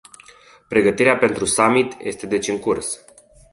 Pregătirea pentru summit este deci în curs.